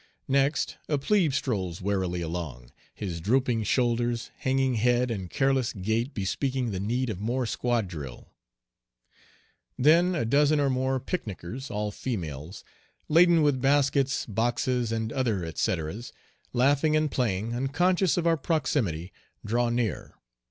Next a plebe strolls wearily along, his drooping shoulders, hanging head, and careless gait bespeaking the need of more squad drill. Then a dozen or more "picnicers," all females, laden with baskets, boxes, and other et ceteras, laughing and playing, unconscious of our proximity, draw near.